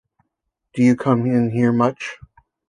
Do you come in here much?